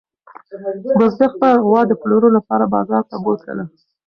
بزګر خپله غوا د پلورلو لپاره بازار ته بوتله.